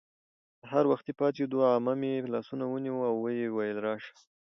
سهار وختي پاڅېدو. عمه مې لاس ونیو او ویې ویل:راشه